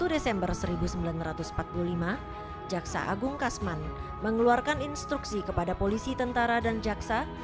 satu desember seribu sembilan ratus empat puluh lima jaksa agung kasman mengeluarkan instruksi kepada polisi tentara dan jaksa